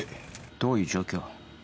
どういう状況？